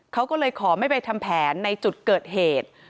เขาก็เลยขอไม่ไปทำแผนในจุดเกิดเหตุ